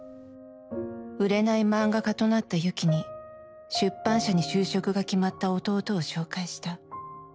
売れない漫画家となった由紀に出版社に就職が決まった弟を紹介した。